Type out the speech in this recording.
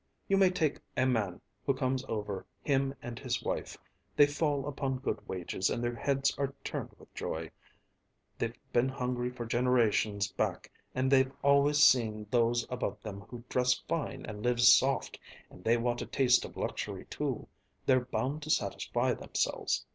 "You may take a man who comes over, him and his wife. They fall upon good wages and their heads are turned with joy. They've been hungry for generations back and they've always seen those above them who dressed fine and lived soft, and they want a taste of luxury too; they're bound to satisfy themselves.